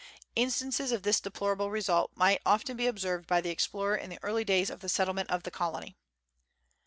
Instances of this deplorable result might often be observed by the explorer in the early days of the settlement of the colony.